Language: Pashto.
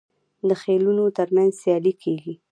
د خیلونو ترمنځ سیالي کیږي.